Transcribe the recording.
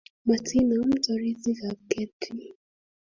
Matinam toritikab kertii